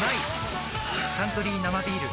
「サントリー生ビール」